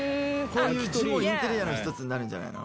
インテリアの一つになるんじゃないの？